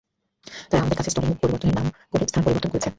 তারা আমাদের কাছে স্টলের মুখ পরিবর্তনের নাম করে স্থান পরিবর্তন করেছে।